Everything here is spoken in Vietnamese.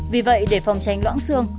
vì vậy để phòng tránh loãng xương